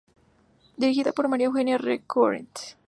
Dirigida por María Eugenia Rencoret.